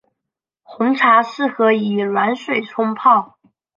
红茶适合以软水冲泡。